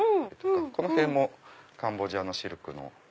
この辺もカンボジアのシルクの。